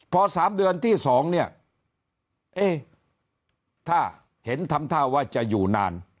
พอ๓เดือนที่๒เนี่ยเอ๊ะถ้าเห็นทำท่าว่าจะอยู่นาน